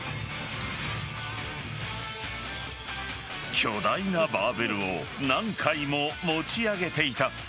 巨大なバーベルを何回も持ち上げていた。